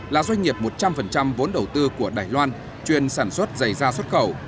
là doanh nghiệp một trăm linh vốn đầu tư của đài loan chuyên sản xuất giày da xuất khẩu